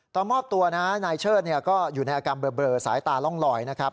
มอบตัวนะนายเชิดก็อยู่ในอาการเบลอสายตาล่องลอยนะครับ